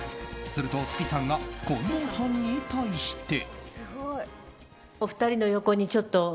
するとｓｐｉさんが近藤さんに対して。